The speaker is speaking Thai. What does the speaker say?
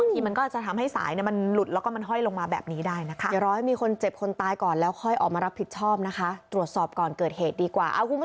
อย่างร้อยมีคนเจ็บคนตายก่อนแล้วค่อยออกมารับผิดชอบนะคะตรวจสอบก่อนเกิดเหตุดีกว่า